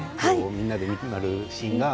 みんなで見守るシーンが。